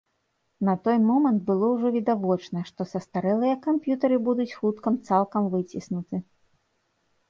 На той момант было ўжо відавочна, што састарэлыя камп'ютары будуць хутка цалкам выціснуты.